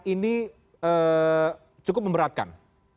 ini cukup memberatkan